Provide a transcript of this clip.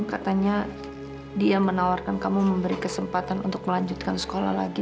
katanya dia menawarkan kamu memberi kesempatan untuk melanjutkan sekolah lagi